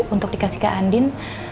untuk dikasih ke andin